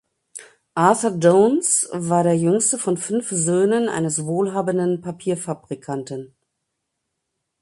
Arthur Downes war der jüngste von fünf Söhnen eines wohlhabenden Papierfabrikanten.